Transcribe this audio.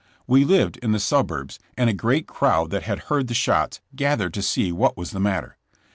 We lived in the suburbs, and a great crowd that had heard the shots gathered to see what was the matter.